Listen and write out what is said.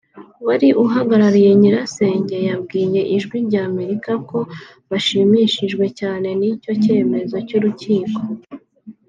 wari uhagarariye nyirasenge yabwiye Ijwi ry’Amerika ko bashimishijwe cyane n’icyo cyemezo cy’urukiko